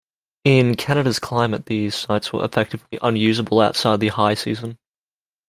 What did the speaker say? In Canada's climate, these sites were effectively unusable outside the high season.